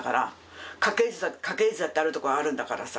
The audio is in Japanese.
家系図だってあるところはあるんだからさ。